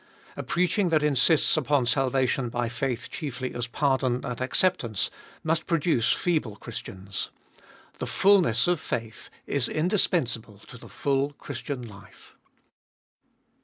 A preaching that insists upon salvation by faith chiefly as pardon and acceptance must produce feeble Christians. The fulness of faith is indispensable to the full Christian life.